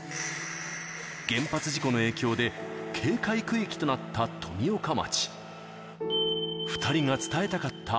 原発事故の影響で、警戒区域となった富岡町。